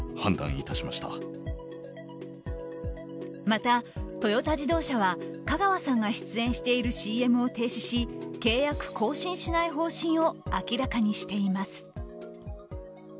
また、トヨタ自動車は香川さんが出演しているＣＭを停止し契約更新しない方針を明らかにしています。